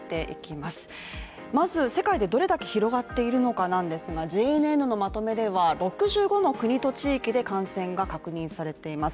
まず世界でどれだけ広がっているのかＪＮＮのまとめでは６５の国と地域で感染が確認されています。